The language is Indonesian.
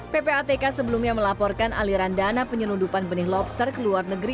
ppatk sebelumnya melaporkan aliran dana penyelundupan benih lobster ke luar negeri